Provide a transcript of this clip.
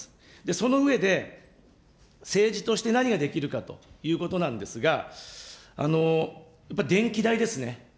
その上で、政治として何ができるのかということなんですが、やっぱり電気代ですね。